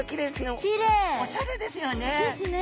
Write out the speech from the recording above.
おしゃれですよね。ですね。